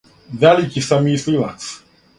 Велики сам мислилац.